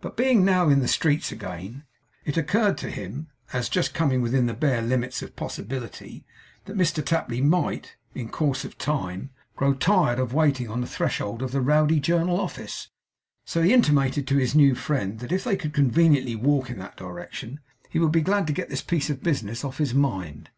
But, being now in the streets again, it occurred to him as just coming within the bare limits of possibility that Mr Tapley might, in course of time, grow tired of waiting on the threshold of the Rowdy Journal Office, so he intimated to his new friend, that if they could conveniently walk in that direction, he would be glad to get this piece of business off his mind.